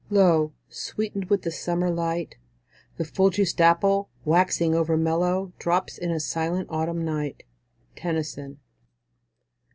Lo! sweetened with the summer light, The full juiced apple, waxing over mellow, Drops in a silent autumn night. TENNYSON.